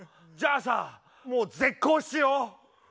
じゃあさもう絶交しよう。